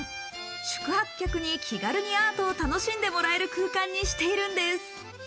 宿泊客に気軽にアートを楽しんでもらえる空間にしているんです。